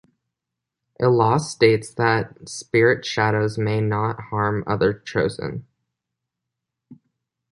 A law states that Spiritshadows may not harm other Chosen.